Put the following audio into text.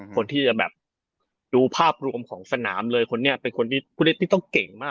คนที่ดูภาพรวมของสนามเลยคุณเนี่ยต้องเล่นด้วยเก่งมาก